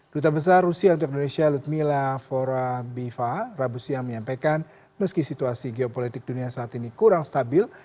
duta besar rusia untuk indonesia ludmila fora bifa rabusia menyampaikan meski situasi geopolitik dunia saat ini kurang stabil